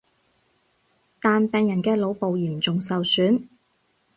但病人嘅腦部嚴重受損